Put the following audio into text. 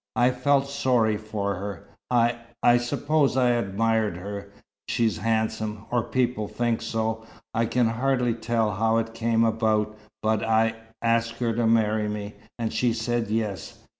I felt sorry for her. I I suppose I admired her. She's handsome or people think so. I can hardly tell how it came about, but I asked her to marry me, and she said yes.